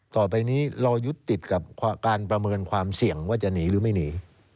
ต่อไปนี้เรายึดติดกับการประเมินความเสี่ยงว่าจะหนีหรือไม่หนี